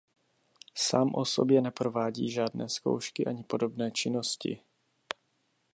Sám o sobě neprovádí žádné zkoušky ani podobné činnosti.